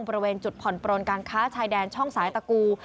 บริเวณจุดผ่อนปลนการค้าชายแดนช่องสายตะกู